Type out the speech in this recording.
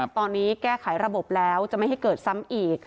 ตอนนี้แก้ไขระบบแล้วจะไม่ให้เกิดซ้ำอีก